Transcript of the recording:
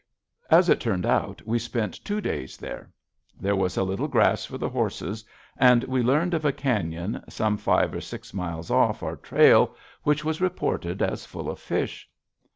As it turned out, we spent two days there. There was a little grass for the horses, and we learned of a cañon, some five or six miles off our trail, which was reported as full of fish.